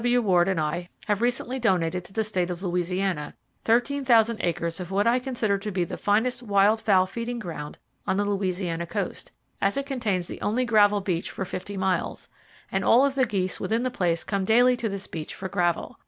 W. Ward and I have recently donated to the State of Louisiana 13,000 acres of what I consider to be the finest wild fowl feeding ground on the Louisiana coast, as it contains the only gravel beach for 50 miles, and all of the geese within that space come daily to this beach for gravel.